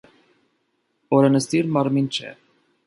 Օրենսդիր մարմին չէ։